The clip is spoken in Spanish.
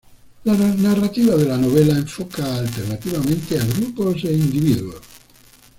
La narrativa de la novela enfoca alternativamente a grupos e individuos.